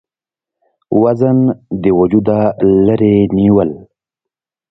وزن د وجوده لرې نيول ،